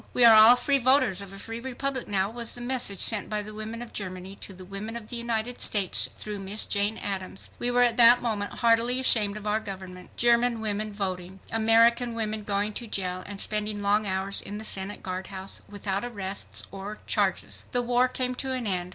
"We are all free voters of a free republic now," was the message sent by the women of Germany to the women of the United States through Miss Jane Addams. We were at that moment heartily ashamed of our government. German women voting! American women going to jail and spending long hours in the Senate guardhouse without arrests or, charges. The war came to an end.